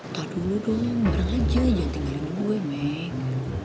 tuh dulu dong pulang aja jangan tinggalin gue meg